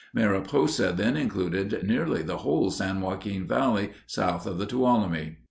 Mariposa then included nearly the whole San Joaquin Valley south of the Tuolumne.